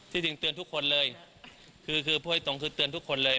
จริงเตือนทุกคนเลยคือคือพูดให้ตรงคือเตือนทุกคนเลย